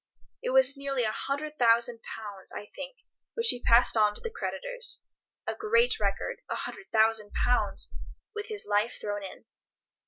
It was nearly a hundred thousand pounds, I think, which he passed on to the creditors—a great record, a hundred thousand pounds, with his life thrown in.